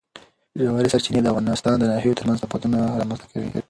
ژورې سرچینې د افغانستان د ناحیو ترمنځ تفاوتونه رامنځ ته کوي.